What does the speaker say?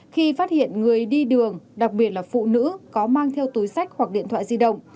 khi phát hiện người đi đường đặc biệt là phụ nữ có mang theo túi sách hoặc điện thoại di động